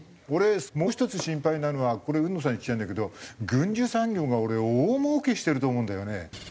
俺もう１つ心配なのはこれ海野さんに聞きたいんだけど軍需産業が俺大もうけしてると思うんだよね。